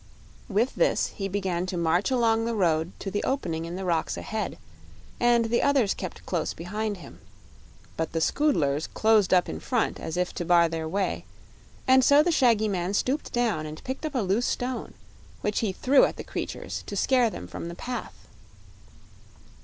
With this, he began to march along the road to the opening in the rocks ahead, and the others kept close behind him. But the Scoodlers closed up in front, as if to bar their way, and so the shaggy man stooped down and picked up a loose stone, which he threw at the creatures to scare them from the path.